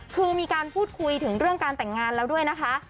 คือมีการพูดคุยถึงเรื่องการแต่งงานแล้วด้วยนะคะ